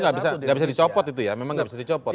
satu itu tidak bisa dicopot ya memang tidak bisa dicopot